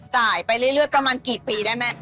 ไปเรื่อยประมาณกี่ปีได้แม่